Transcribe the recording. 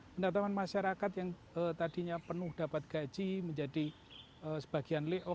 pendapatan masyarakat yang tadinya penuh dapat gaji menjadi sebagian lay of